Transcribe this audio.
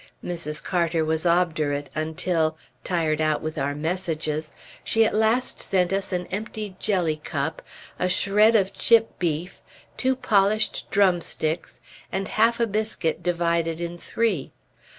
Mrs. Carter was obdurate until, tired out with our messages, she at last sent us an empty jelly cup, a shred of chip beef, two polished drumsticks, and half a biscuit divided in three.